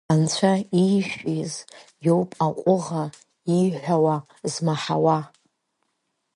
Анцәа иишәиз иоуп аҟәыӷа ииҳәауа змаҳауа.